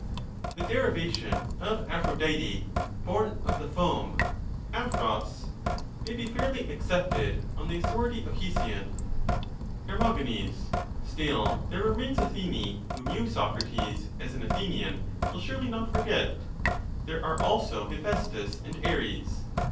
The derivation of Aphrodite, born of the foam {d(j)pbc), Aphrodite. may be fairly accepted on the authority of Hesiod. Ifer. Still there remains Athene, whom you, Socrates, as Athene, an Athenian, will surely not forget ; there are also Hephaestus and Ares.